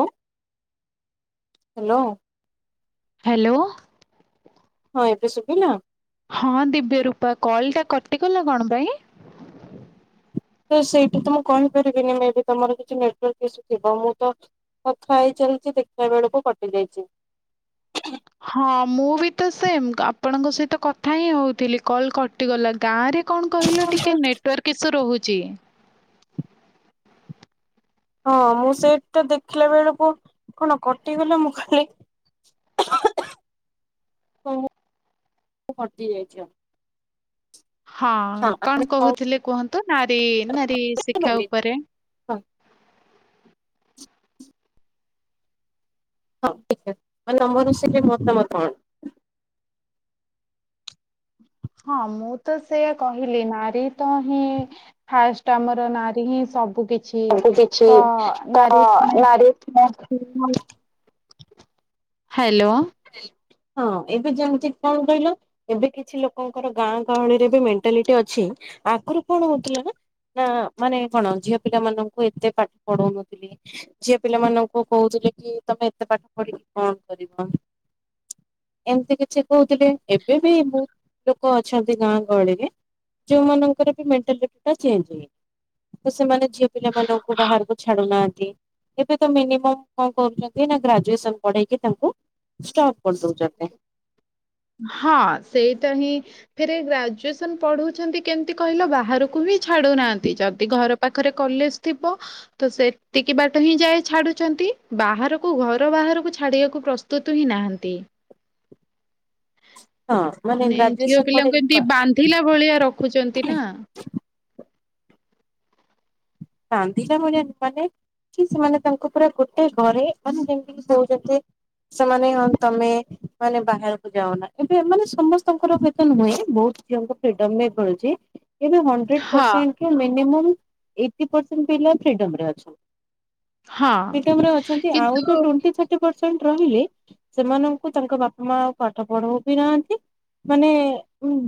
ଅଉ hello. Hello. ହଁ ଏବେ ଶୁବିଲା? ହଁ ଦିବ୍ୟରୂପା କଲଟା କଟିଗଲା କଣ ପାଇଁ? ତ ସେଇଠି ତ ମୁଁ କହିପାରିବିନି ମେ ବି ତମର କିଛି ନେଟୱାର୍କ ଇସୁ ଥିବ ମୁଁ ତ କଥା ହେଇ ଚାଲିଚି ଦେଖିବା ବେଳକୁ କଟି ଯାଇଚି। ହଁ ମୁଁ ବି ତ ସେମ ଆପଣଙ୍କ ସହିତ କଥା ହିଁ ହଉଥିଲି କଲ କଟିଗଲା ଗାଁରେ କଣ କହିଲ ଟିକେ ନେଟୱାର୍କ ଇସୁ ରହୁ ଚି। ହଁ ମୁଁ ସେଇଟା ଦେଖିଲା ବେଳୁକୁ କଣ କଟିଗଲା ମୁଁ ଖାଲି ତମ କଟି ଯାଇଚ। ହଁ କଣ କୋହୁଥୁଲେ କୁହନ୍ତୁ ନାରୀ ନାରୀ ଶିକ୍ଷା ଆମେ ଉପରେ। ହଁ ଟିକେ ମାନେ ଆମର ସେଠି ମତା ମ କଣ? ହଁ ମୁଁ ତ ସେଇଆ କହିଲି ନାରୀ ତ ହିଁ ଫାଷ୍ଟ ଆମର ନାରୀ ହିଁ ସବୁ କିଛି ସବୁ କିଛି ତ ତ ନାରୀ ନାରୀ ସ୍ନେହ। [inaudible] ହ୍ୟାଲୋ। ହଁ ଏବେ ଯେମିତି କଣ କହିଲ ଏବେ କିଛି ଲୋକଙ୍କର ଗାଁ ଗହଳିରେ ବି ମେଣ୍ଟାଲିଟି ଅଛି ଆଗୁରୁ କଣ ହୋଉଥୁଲା ନାଁ ନାଁ ମାନେ କଣ ଝିଅ ପିଲାମାନଙ୍କୁ ଏତେ ପାଠ ପଢଉନଥିଲେ ଝିଅ ପିଲାମାନଙ୍କୁ କୋଉଥୁଲେ କି ତମେ ଏତେ ପାଠ ପଢିକି କଣ କରିବ ଏମତି କିଛି କହୁଥୁଲେ। ଏବେ ବି ବୋହୁତ ଲୋକ ଅଛନ୍ତି ଗାଁ ଗହଳିରେ ଯୋଉମାନଙ୍କର ବି ମେଣ୍ଟାଲିଟିଟା ଚେଞ୍ଜ ହେଇ ତ ସେମାନେ ଝିଅ ପିଲାମାନଙ୍କୁ ବାହାରୁକୁ ଛାଡୁନାହାନ୍ତି ଏବେ ତ ମିନିମମ୍ କଁ କରୁଚନ୍ତି ନାଁ ଗ୍ରାଜୁଏସନ ପଢେଇକି ତାଙ୍କୁ ଷ୍ଟପ୍ କରଦୋଉଚନ୍ତି। ହଁ ସେଇଟା ହିଁ ଫେରେ ଗ୍ରାଜୁଏସନ୍ ପଢ଼ଉଛନ୍ତି କେମତି କହିଲ ବାହାରୁକୁ ହିଁ ଛାଡ଼ୁନାହାନ୍ତି ଯଦି ଘର ପାଖରେ କଲେଜ ଥିବ ତ ସେତିକି ବାଟ ହିଁ ଯାଏ ଛାଡ଼ୁଛନ୍ତି ବାହାରୁକୁ ଘର ବାହାରୁକୁ ଛାଡ଼ିବାକୁ ପ୍ରସ୍ତୁତୁ ହିଁ ନାହାନ୍ତି। ହଁ ମାନେ ନେ ଗ୍ରାଜୁଏସନ ପରେ ଝିଅପିଲାଙ୍କୁ ଏମିତି ବାନ୍ଧିଲା ଭଳିଆ ରଖୁଛନ୍ତି ନାଁ। ବାନ୍ଧିଲା ଭଳିଆ ମାନେ କି ସେମାନେ ତାଙ୍କୁ ପୁରା ଗୋଟେ ଘରେ ମାନେ ଯେମତି ସିଏ ହୋଉଚନ୍ତି ସେମାନେ ହଁ ତମେ ମାନେ ବାହାରୁକୁ ଯାଅନା ଏବେ ମାନେ ସମସ୍ତଙ୍କର ହୁଏ ତ ନୁହେଁ ବୋହୁତ ଝିଅଙ୍କୁ ଫ୍ରିଡମ୍ ବି ମିଳୁଚି ଏବେ ହଣ୍ଡ୍ରେଡ ହଁ ପରସେଣ୍ଟ ଠୁ ମିନିମମ୍ ଏ ଟି ପରସେଣ୍ଟ ପିଲା ଫ୍ରିଡମରେ ଅଛ ହଁ ଫ୍ରିଡମରେ ଅଛନ୍ତି ଆଉ ଯୋଉ କିନ୍ତୁ ଟୋଣ୍ଟି ଥାଟି ପର ଆବ୍ସେଣ୍ଟ ରହିଲେ ସେମାନଙ୍କୁ ତାଙ୍କ ବାପା ମା ଆଉ ପାଠ ପଢଉ ବି ନାହାନ୍ତି ମାନେ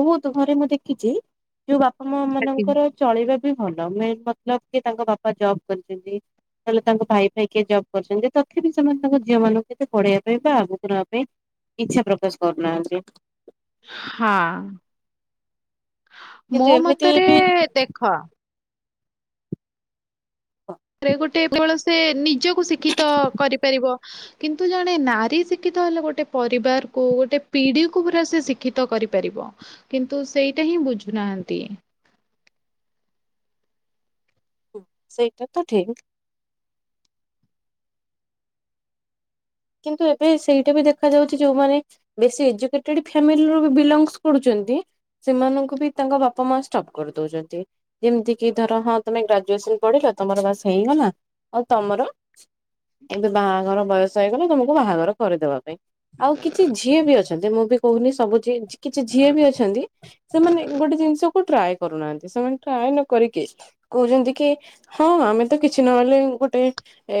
ବହୁତ ଘରେ ମୁଁ ଦେଖିଛି ଯୋଉ ବାପା ମା ମାନଙ୍କର ଚଳେଇବା ସେ ଭଲ ମେ ଲକ କି ତାଙ୍କ ବାପା ଜବ୍ କରିଛନ୍ତି ତାହେଲେ ତାଙ୍କ ଭାଇ ଫାଇ କିଏ ଜବ୍ କରିଛନ୍ତି ତଥାପି ସେମାନେ ତାଙ୍କ ଝିଅ ମାନଙ୍କୁ କେବେ ପଢେଇବା ପାଇଁ ବା ଆଗକୁ ନବା ପାଇଁ ଇଚ୍ଛା ପ୍ରକାଶ କରୁନାହାନ୍ତି। ହଁ। ମୋ କିନ୍ତୁ ଏମିତି ମତରେ ବି ଦେଖ ଘରେ ଗୋଟେକେବଳ ସେ ନିଜକୁ ଶିକ୍ଷିତ କରିପାରିବ କିନ୍ତୁ ଜଣେ ନାରୀ ଶିକ୍ଷିତ ହେଲେ ଗୋଟେ ପରିବାରକୁ ଗୋଟେ ପିଢିକୁ ପୁରା ସେ ଶିକ୍ଷିତ କରିପାରିବ କିନ୍ତୁ ସେଇଟା ହିଁ ବୁଝୁନାହାନ୍ତି। ହ ସେଇଟା ତ ଠିକ। କିନ୍ତୁ ଏବେ ସେଇଟା ବି ଦେଖାଯାଉଛି ଯୋଉମାନେ ବେଶୀ ଏଜୁକେଟେଡ୍ ଫ୍ୟାମିଲିରୁ ବି ବିଲଙ୍ଗସ କରୁଛନ୍ତି ସେମାନଙ୍କୁ ବି ତାଙ୍କ ବାପା ମା ଷ୍ଟପ କରି ଦଉଛନ୍ତି। ଯେମିତି କିି ଧର ହଁ ତମେ ଗ୍ରାଜୁଏସନ ପଢିଲ ତମର ବାସ ହେଇଗଲା ଆଉ ତମର ଏବେ ବାହାଘର ବୟସ ବୟଷ ହେଇଗଲା ତମକୁ ବାହାଘର କରିଦେବା ପାଇଁ। ଆଉ କିଛି ଝିଅ ବି ଅଛ ତତେ ମୁଁ ବି କହୁନି ସବୁ ଜି କିଛି ଝିଅ ବି ଅଛନ୍ତି ସେମାନେ ଗୋଟେ ଜିନିଷକୁ ଟ୍ରାଏ କରୁନାହାନ୍ତି ସେମାନେ ଟ୍ରାଏ ନ କରିକି କହୁଛନ୍ତି କି ହଁ ଆମେ ତ କିଛି ନହେଲେ ଗୋଟେ ଏ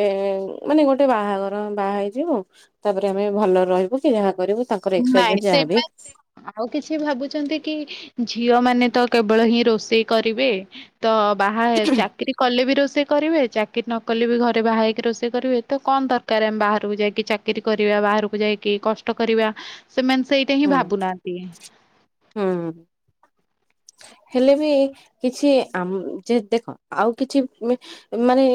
ମାନେ ଗୋଟେ ବାହାଘର ବାହା ହେଇଯିବ ତାପରେ ଆମେ ଭଲ ରହିବୁ କି ଯାହା କରିବୁ ତା ନାଇଁ ସେମାନେ ଆଉ କିଛି ଭାବୁଛନ୍ତି କି ଝିଅ ମାନେ ତ କେବଳ ହିଁ ରୋଷେଇ କରିବେ ତ ବାହା ହେ ଚାକିରି କଲେ ବି ରୋ ରୋଷେଇ କରିବେ ଚାକିରି ନ କଲେ ବି ଘରେ ବାହା ହେଇକି ରୋଷେଇ କରିବେ ତ କଣ ଦରକାର ଆମେ ବାହାରକୁ ଯାଇକି ଚାକିରି କରିବା ବାହାରକୁ ଯାଇକି କଷ୍ଟ କରିବା ସେମାନେ ସେଇଟା ହିଁ ହୁଁ ଭାବୁନାହାନ୍ତି। [inaudible] ହୁଁ। ହେଲେ ବି କିଛି ଆମ ଯେ ଦେଖ ଆଉ କିଛି ମାନେ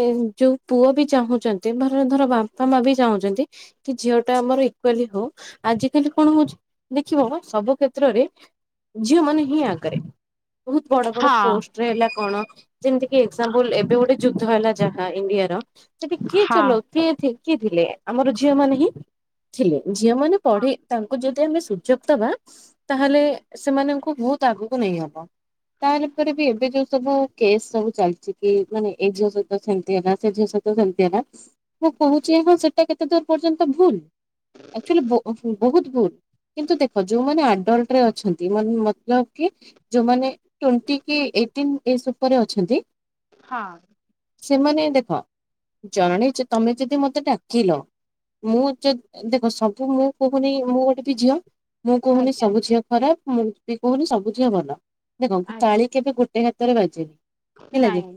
ଯୋଉ ପୁଅ ବି ଚାହୁଁଛନ୍ତି ଧର ଧର ବାପା ମା ବି ଚାହୁଁଛନ୍ତି କି ଝିଅ ଟା ଆମର ଇକ୍ୱାଲି ହୋଉ ଆଜିିକାଲି କଣ ହଉଛି ଦେଖିବ ସବୁ କ୍ଷେତ୍ରରେ ଝିଅ ମାନେ ହିଁ ଆଗରେ। ବହୁତ ବଡ ବଡ ହଁ ପୋଷ୍ଟରେ ହେଲା କଣ ଯେମିତି କି ଏକ୍ଜାପୁଲ ଏବେ ଗୋଟେ ଯୋଉ ହେଲା ଯାହା ଇଣ୍ଡିଆର ସେଠି କିଏ ହଁ। ଚଲଉ କିଏ ଥି ଶିଖି ଥିଲେ। ଆମର ଝିଅ ମାନ ହିଁ ଥିଲେ। ଝିଅମାନେ ପଢି ତାଙ୍କୁ ଯ ଦି ଆମେ ସୁଯୋଗ ଦବା ତାହେଲେ ସେମାନଙ୍କୁ ବହୁତ ଆଗକୁ ନେଇ ହବ। ତାହେଲା ପରେ ବି ଏବେ ଯୋଉ ସବୁ କେସ୍ ସବୁ ଚାଲିଛି କି ମାନେ ଏଇ ଝିଅ ସହିତ ସେମତି ହେଲା ସେ ଝିଅ ସହିତ ସେମିତି ହେଲା ମୁଁ କହୁଛି ହଁ ସେଟା କେତେ ଦୂର ପର୍ଯ୍ୟନ୍ତ ଭୁଲ ଆକଚୋଲି ବହୁତ ଭୁଲ କିନ୍ତୁ ଦେଖ ଯୋଉମାନେ ଆ ଡଲ୍ଟରେ ଅଛନ୍ତି ମାନେ ମତଲବ କି ଯୋଉମାନେ ଟୋଣ୍ଟି କି ଏଇଟିନ ଏଜ୍ ଉପରେ ଅଛନ୍ତି ହଁ। ସେମାନେ ଦେଖ ଜଣେ ଯେ ତମେ ଯଦି ମତେ ଡାକିଲ ମୁଁ ଜ ଦେଖ ସବୁ ମୁଁ କହୁନି ମୁଁ ଗୋଟେ ବି ଝିଅ ମୁଁ ଆଜ୍ଞା। କହୁନି ସବୁ ଝିଅ ଖରାପ ମୁଁ ବିି କହୁନି ସବୁଝିଅ ଭଲ। ଦେଖନ୍ତୁ ଆ ତାଳି କେବେ ଗୋଟେ ଗୋଟେ ହାତରେ ବାଜେନି ହେଲା କି ନାଇଁ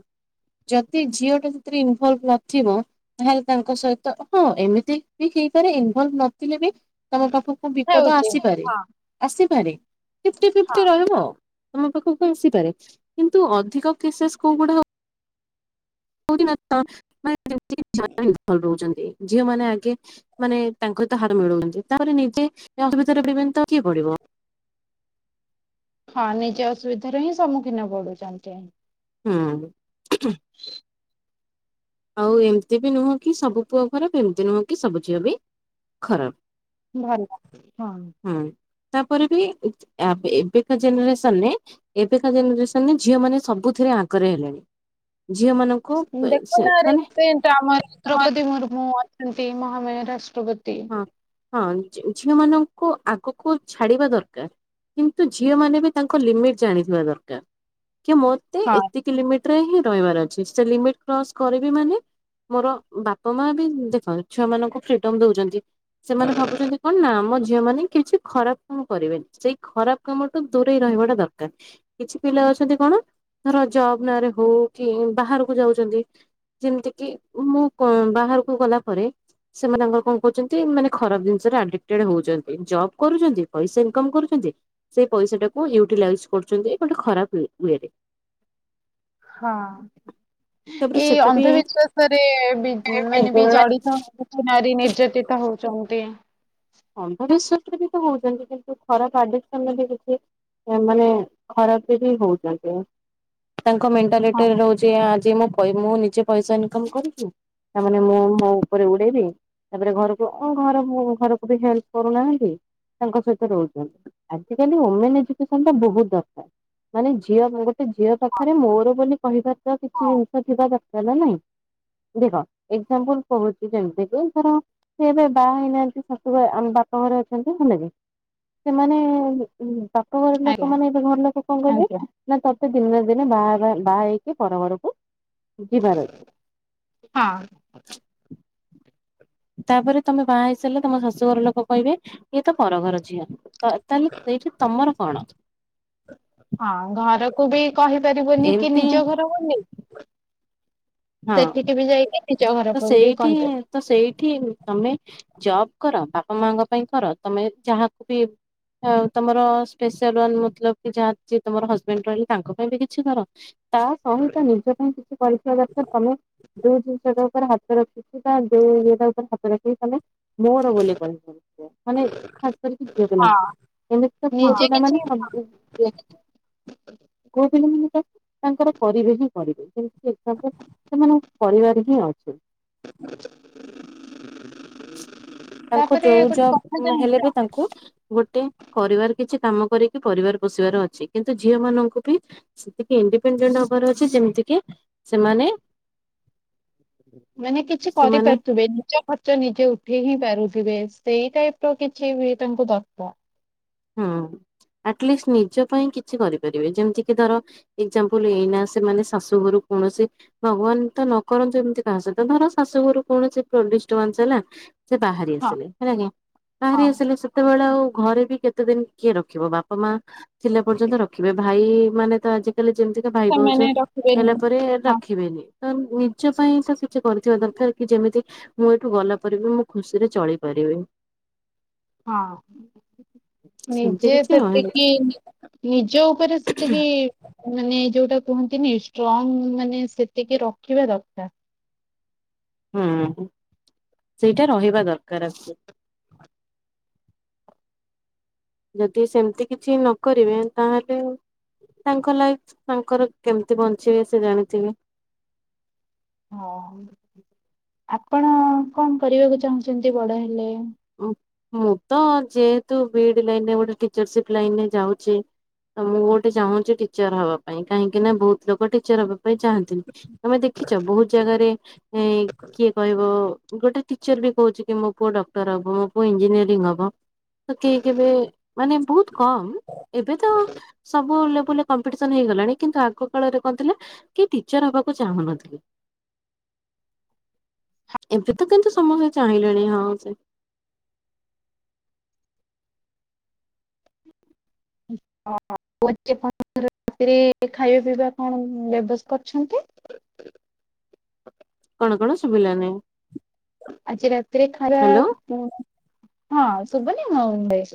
ଯଦି ଝିଅ ଟା ସେଥିରେ ଇନଭଲଭ ନଥିବ ତାହେଲେ ତାଙ୍କ ସହିତ ହଁ ଏମିତି ବି ହେଇପାରେ ଇନଭଲଭ ନଥିଲେ ବି ତମ ପାଖକୁ ବିପଦ ହେଉଛି ଆସିପାରେ ହଁ ଆସି ସରେ ଫିଫ୍ଟିୀ ଫିଫ୍ଟିୀ ହଁ। ରହିବ ଆଉ। ତମ ପାଖକୁ ଆସିପାରେ କିନ୍ତୁ ଅଧିକ କେସେସ୍ କୋଉ ଗୁଡା ହଉକି ନା ତା ମାନେ [unintelligible] ଇନ୍ଭଲବ ରହୁଛନ୍ତି। ଝିଅ ମାନେ ଆଗେ ମାନେ ତାଙ୍କ ତ ହାର ମିଳୁନ୍ ତାପରେ ନିଜେ ଅସୁବିଧାରେ ପଡିବେନି ତ ଆଉ କିଏ ପଡ଼ିବ। ହଁ ନିଜେ ଅସୁବିଧାରେ ହିଁ ସମ୍ମୁଖୀନ ପଡୁଛନ୍ତି। ହୁଁ। ଉହୁଁ ଆଉ ଏମିତି ବି ନୁହଁ କି ସବୁ ପୁଅ ଖରାପ ଏମିତି ନୁହଁ କି ସବୁ ଝିଅ ବି ଖରାପ। ଭଲ ହଁ। ହୁଁ ତାପରେ ବି ଆ ବେ ଏବେକା ଜେନେରେସନରେ ଏବେକା ଜେନେସନରେ ଝିଅ ମାନେ ସବୁଥିରେ ଆଗରେ ହେଲେଣି। ଝିଅ ମାନଙ୍କୁ ସେ ଦେଖୁନ ମାନେ ଆମର ହଁ ଦ୍ରୌପଦୀ ମୁର୍ମୁ ଛନ୍ତି ମହାମୟ ରା ହଁ ହଁ ଝିଅ ମାନଙ୍କ ଙ୍କୁ ଆଗକୁ ଛାଡିବା ଦରକାର କିନ୍ତୁ ଝିଅ ମାନେ ବି ତାଙ୍କ ଲିମିଟ ଜାଣିଥିବା ଦରକାର। ମତେ ହଁ ଏତିକି ଲିମିଟ ରେ ହିଁ ର ଅଛି। ସେ ଲିମିଟ କ୍ରସ୍ କରିବି ମାନେ ମୋର ବାପା ମା ବି ଦେଖ ଛୁଆ ମାନଙ୍କୁ ଫ୍ରିଡମ ଦଉଛନ୍ତି ଜ ସେମାନେ ଭାବୁଛନ୍ତି କଣ ନା ଆମ ଝିଅ ମାନେ କିଛି ଖରାପ କାମ କରିବେନି ସେଇ ଖରାପ କାମଠୁ ଦୂରେଇ ରହିବାଟା ଦରକାର। କିଛି ପିଲା ଅଛନ୍ତି କଣ ଧର ଜବ ନାଁରେ ହଉ କି ବାହାରକୁ ଯାଉଛନ୍ତି ଯେମିତି କି ମୁଁ ବାହାରକୁ ଗଲା ପରେ ସେମାନଙ୍କର କଣ ଛନ୍ତି ଖରା ଜିନିସ ରେ ଆଡିପଟେଡ୍ ହଉଛନ୍ତି। ଜବ କରୁଛନ୍ତି ପଇସା ଇନକମ୍ କରୁଛନ୍ତି ସେଇ ପଇସାଟାକୁ ୟୁାଟିଲାଇଯ କରୁଛନ୍ତି ଗୋଟେ ଖରାପ ୱେ ରେ। ହଁ ଏଇ ସେଟା ବି ଅନ୍ଧବିଶ୍ଵାସରେ ବି ମାନେ ବି ଜଡିତ ହଛି ନାରି ନିର୍ଯତିତ ହଉଛି। ଚାହୁଛନ୍ତି। ହ ଭବିଷ୍ୟତରେ ବି ତ ହଉଛନ୍ତି କିନ୍ତୁ ଖରାପ ଆଡିକସନ କିଛି ମାନେ ଖରାପରେ ବି ହଉଛନ୍ତି। ତାଙ୍କ ମେଣ୍ଟାଲି ହଁ ରହୁଛି। ଯେ ମୁଁ ନିଜେ ପଇସା ଇନକମ କରଛିି ତାମାନେ ମୁଁ ମୋ ଉପରେ ଉଡେଇବି ତାପରେ ଘରକୁ ଘର ଘର ଲ୍ପ କରୁନାହାନ୍ତି ତାଙ୍କ ସହିତ ରହୁଛନ୍ତି ।ଆଜିକାଲି ଓମେନ ଏୁକସନ ବହୁତ ଦରକାର ମାନେ ଝିଅ ଗୋଟେ ଝିଅ ପାଖରେ ମୋର ବୋଲି କହିବ ତ କିଛି ଜିନିଷ ଥିବା ଦରକାର ନା ନହିଁ ଦେଖ ଏଲ କହୁଛି ଯେମିତି ଧର ସେ ଏବେ ବାହା ହେଇନାହାନ୍ତି। ଶଶୁ ଘ ଆମ ବାପା ଘରେ ଅଛନ୍ତି ହେଲେ ବି ସେମାନେ ପାପ ଘର ଆଜ୍ଞା ଲୋକମାନୋନ ଏବେ ଭଲ କଣ କର ନା ତତେ ଦିନରେ ଦିନେ ବାହା ବାହା ହେଇକି ପର ଘରକୁ ଯିବାର ଅଛି। ହଁ। ତାପରେ ତମେ ବାହା ହେଇସାରିଲେ ତମ ଶାଶୂଘର ଲୋକ କହିବେ ଇଏ ତ ପର ଘର ଝିଅ । ତ ତାହେଲେ ସେଇଠି ତମର କଣ କୁ ବି କହିପାରିବୁନି କି ଏମିତି ନିଜ ଘର ବୋଲି [unintelligible] ହଁ ସେଠିକି ବି ଯାଇକି ନିଜ ଘର ତ ବୋଲି ସେଇଠି କହିପାରିବ। ତ ସେଇଠି ତମେ ଜବ୍ କର ବାପା ମାଙ୍କ ପାଇଁ କର ତମେ ଯାହାକୁ ବି ତମର ସ୍ପେସିଆଲ ୱାନ ମତଲବ କି ଯାହା ଯିଏ ତମର ହଜବେଣ୍ଡ ରହିଲେ ତାଙ୍କ ପାଇଁ ବି କିଛି କର ତା ସହିତ ନିଜ ପାଇଁ କିଛି କରିିଥିବା ଦରକାର । ଯୋଉ ଜିନିଷ ଟା ଉପରେ ହାତ ରଖି ଯୋଉଟା ଯୋଉ ଇଏଟା ଉପରେ ହାତ ରଖି କି ତାହେଲେ ମୋର ବୋଲି କହିବ ମାନେ ଖାସ କରିକି ଝିଅ ହଁ। ପିଲାଙ୍କୁ ଏମିତି ତ ପୁଅ ନିଜେ କିଛି ପିଲାମାନେ ପୁଅ ପିଲାମାନେ ତ ତାଙ୍କର କରିବେ ହିଁ କରିବେ ଯେମିତି ତାଙ୍କୁ ସେମାନଙ୍କ ପରିବାର ହିଁ ଅଛି। [unintelligible] ତାଙ୍କୁ ତାପରେ ଯୋଉ ଯ ଗୋଟେ କଥା ହେଲେ ଜାଣିଛ ବି ତାଙ୍କୁ ଗୋଟେ କରିବାର କିଛି କାମ କରିକି ପରିବାର ପୋଷିବାର ଅଛି କିନ୍ତୁ ଝିଅ ମାନଙ୍କୁ ବି ସେତିକି ଇଣ୍ଡିପେଣ୍ଡେଣ୍ଟ ହବାର ଅଛି ଯେମିତିକ ସେମାନେ ମାନେ କିଛି ସେମାନେ କରିପାରୁଥିବେ ନିଜ ଖର୍ଚ୍ଚ ନିଜେ ଜେ ଉଠେଇ ହିଁ ପାରୁଥିବେ ସେଇ ଟାଇପ ର କିଛି ବି ତାଙ୍କୁ ଦରକାର। ହୁଁ ଆଟଲିଷ୍ଟ ନିଜ ପାଇଁ କିଛି କରିପାରିବେ ଯେମିତି କି ଧର ଏକ୍ଜାମ୍ପଲ ଏଇନା ସେମାନେ ଶାଶୂଘରୁ କୌଣସି ଭଗବାନ ତ ନ କରନ୍ତୁ ଏମିତି କାହା ସହିତ ଧର ଶାଶୂଘରୁ କୌଣସି ଡିଷ୍ଟବାନ୍ସ ହେଲା ସେ ବାହାରି ହଁ ଆସିଲେ ହେଲା ଆଜ୍ଞା ବାହାରି ହଁ ଆସିଲେ ସେତେବେଳେ ଆଉ ଘରେ ବି କେତେ ଏତେ ଦିନ କିଏ ରଖିବ ବାପା ମା ଥିଲା ପର୍ଯ୍ୟନ୍ତ ରଖିବେ ଭାଇ ମାନେ ତ ଆଜି ତାହେଲେ ଯେମିତିକା ଭାଇ ଭାଉଜ ସେମାନେ ହେଲା ରଖିବେନି ପରେ ହଁ ରଖିବେନି। ତ ନିଜ ପାଇଁ ତ କିଛି କରିଥିବା ଦରକାର କି ଯେମିତି ମୁଁ ଏଠୁ ଗଲା ପରେ ବି ମୁଁ ଖୁସିରେ ଚଳିପାରିବି । ହଁ। ସେମିତି ନିଜେ କିଛି ରହେ ସେତିକି ନିଜ ଉପରେ ସେତିକି ମାନେ ଯୋଉଟା କୁହନ୍ତିନି ଷ୍ଟ୍ରଙ୍ଗ ମାନେ ସେତିକି ରଖିବା ଦରକାର । ହୁଁ ସେଇଟା ରହିବା ଦରକାର ଆ ଯଦି ସେମିତି କିଛି ନ କରିବେ ତାହେଲେ ତାଙ୍କ ଲାଇଫ ତାଙ୍କର କେମିତି ବଞ୍ଚିବେ ସେ ଜାଣିଥିବେ । ହଁ ଆପଣ କଣ କରିବାକୁ ଚାହୁଁଛନ୍ତି ବଡ ହେଲେ? ମୁଁ ତ ଯେହେତୁ ବି ଇଡି ଲାଇନରେ ଗୋଟେ ଟିଚରସିପ ଲାଇନରେ ଯାଉଛି ତ ମୁଁ ଗୋଟେ ଚାହୁଁଛି ଟିଚର ହବା ପାଇଁ କାହିଁକି ନା ବହୁତ ଲୋକ ଟିଚର ହବା ପାଇଁ ଚାହାନ୍ତିନି। ତମେ ଦେଖିଛ ବହୁତ ଜାଗାରେ ଏ କିଏ କହିବ, ଗୋଟେ ଟିଚର ବି କହୁଛି, କି ମୋ ପୁଅ ଡ ଗ୍ରୁପୁ ଇଞ୍ଜିନିୟରି ହବ, ତ କେହି କେବେ ମାନେ ବହୁତ କମ, ଏବେ ତ ସବୁ ଲେବୁଲ ରେ କମ୍ପିଟିସନ୍ ହେଇଗଲାଣି, କିନ୍ତୁ ଆଗ କାଳରେ କଣଥିଲା, କି ଟିଚର ହବାକୁ ଚାହୁଁନଥିଲେ, ଏବେ ତ କିନ୍ତୁ ସମସ୍ତେ ଚାହିଁଲେଣି, ହଁ, ସେ ହପଣ ରାତିରେ ଖାଇବା ପିଇବା କଣ ବ୍ୟବସ୍ କରଛନ୍ତି [inaudible] କଣ, କଣ ଶୁଭିଲାନି । ଆଜି ରାତିରେ ଖାଇବା, ହଁ, ଶୁବୁନି । ହଁ, [inaudible] ବାଇ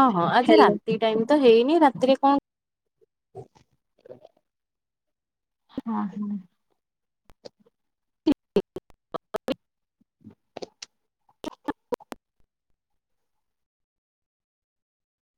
ହଁ, ହଁ ଆଜି ରାତି ଟାଇମ ତ ହେଇନି, ରାତିରେ କଣ [inaudible] ହଁ, ହଁ।